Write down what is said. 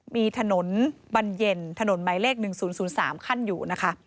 มีถนนบรรเย็นถนนหมายเลข๑๐๐๓ขั้นอยู่นะคะ